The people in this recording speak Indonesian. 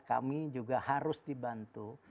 kami juga harus dibantu